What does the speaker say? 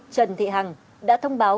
trần thị hằng đã thông báo